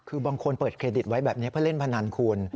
คือบางคนเปิดเครดิตไว้แบบนี้เพื่อเล่นพนันคุณ